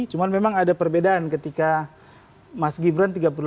cuma memang ada perbedaan ketika mas gibran tiga puluh delapan